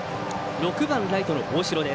６番、ライトの大城。